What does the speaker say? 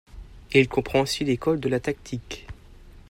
Il comprend aussi l'école de la tactique.